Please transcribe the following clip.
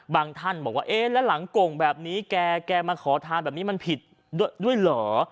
ท่านบอกว่าเอ๊ะแล้วหลังโก่งแบบนี้แกมาขอทานแบบนี้มันผิดด้วยเหรอ